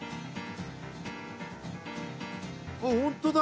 あっ本当だ！